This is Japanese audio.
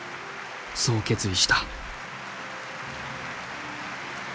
そう決意した。